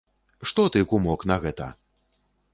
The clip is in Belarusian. Што ты, кумок, на гэта?